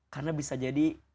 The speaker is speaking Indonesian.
karena bisa jadi